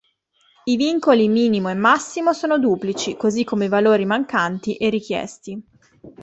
I vincoli minimo e massimo sono duplici, così come i valori mancanti e richiesti.